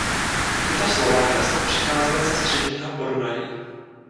Tito Slované snad přicházeli ze středního Podunají.